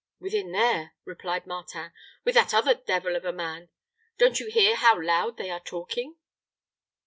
"Within there," replied Martin, "with that other devil of a man. Don't you hear how loud they are talking?"